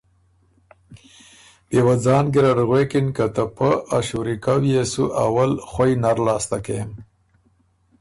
بيې وه ځان ګیرډ غوېکِن که ته پۀ ا شُوري يې سو اول خوئ نر لاسته کېم۔